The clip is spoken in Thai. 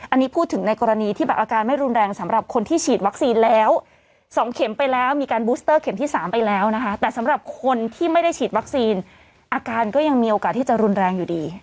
อันนี้พูดถึงในกรณีที่แบบอาการไม่รุนแรงสำหรับคนที่ฉีดวัคซีนแล้ว๒เข็มไปแล้วมีการบูสเตอร์เข็มที่๓ไปแล้วนะคะแต่สำหรับคนที่ไม่ได้ฉีดวัคซีนอาการก็ยังมีโอกาสที่จะรุนแรงอยู่ดี